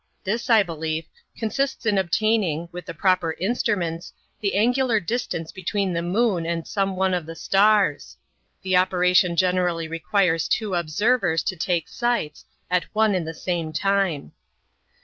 This, I believe, consists in obtaining, with the proper instruments, the angular distance between the moon and some one of the stars. The operation generally requires two observers to take sights, at one and the jsame time.